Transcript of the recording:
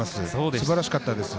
素晴らしかったです。